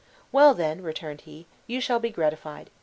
"Well, then," returned he, "you shall be gratified.